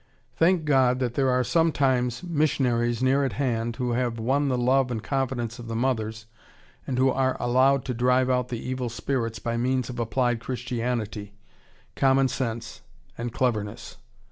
] Thank God that there are sometimes missionaries near at hand who have won the love and confidence of the mothers and who are allowed to "drive out the evil spirits" by means of applied Christianity, common sense, and cleverness.